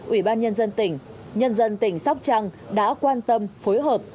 ủy ban nhân dân tỉnh nhân dân tỉnh sóc trăng đã quan tâm phối hợp